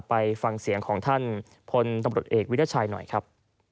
ไปฟังเสียงของท่านพลตำรวจเอกวิทยาชัยหน่อยครับ